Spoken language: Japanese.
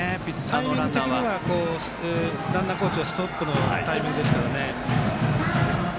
タイミング的にはランナーコーチはストップのタイミングですから。